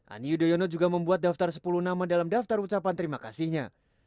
ani yudhoyono juga membuat daftar sepuluh nama dalam daftar ucapan terima kasihnya